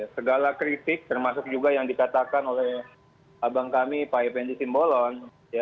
segala kritik termasuk juga yang dikatakan oleh abang kami pak effendi simbolon